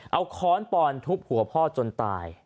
เอาค้อนปอนทุบหัวพ่อจนตาย